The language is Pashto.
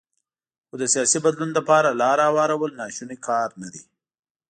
خو د سیاسي بدلون لپاره لاره هوارول ناشونی کار نه دی.